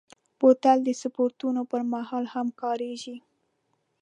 بوتل د سپورټونو پر مهال هم کارېږي.